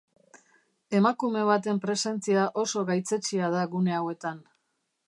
Emakume baten presentzia oso gaitzetsia da gune hauetan.